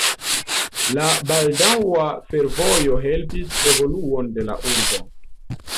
La baldaŭa fervojo helpis evoluon de la urbo.